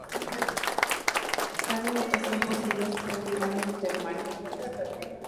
Cada habitación poseía su propio baño termal.